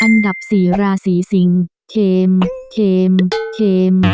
อันดับสี่ราศีสิงเคม